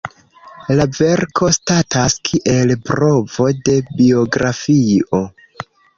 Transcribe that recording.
La verko statas kiel provo de biografio.